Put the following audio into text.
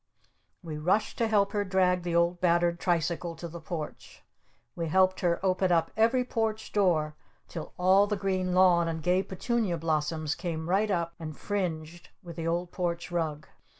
We rushed to help her drag the old battered tricycle to the Porch! We helped her open up every porch door till all the green lawn and gay petunia blossoms came right up and fringed with the old porch rug!